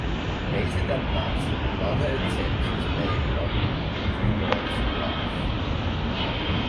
Later that night, another attempt is made on Drummond's life.